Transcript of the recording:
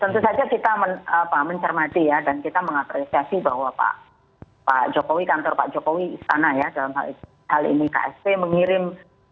di sana ya dalam hal ini ksp mengirim